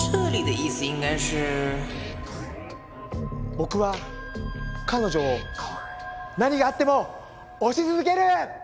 僕は彼女を何があっても推し続ける！